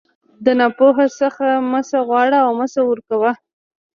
د ناپوه څخه مه څه غواړه او مه څه ورکوه.